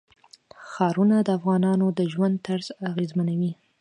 ښارونه د افغانانو د ژوند طرز اغېزمنوي.